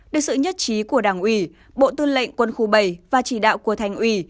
được sự nhất trí của đảng ủy bộ tư lệnh quân khu bảy và chỉ đạo của thành ủy